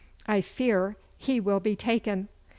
I fear he will be taken!